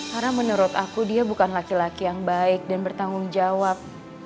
karena menurut aku dia bukan laki laki yang baik dan bertanggung jawab